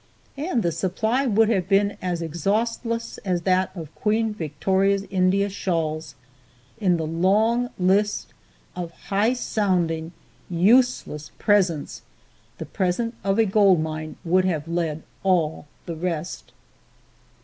And the supply would have been as exhaustless as that of Queen Victoria's India shawls. In the long list of high sounding, useless presents, the present of a gold mine would have led all the rest.